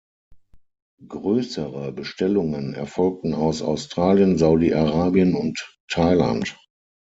Größere Bestellungen erfolgten aus Australien, Saudi-Arabien und Thailand.